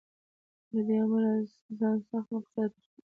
له دې امله ځان سخت مقصر راته ښکاري.